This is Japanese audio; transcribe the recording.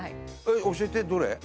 教えてどれ？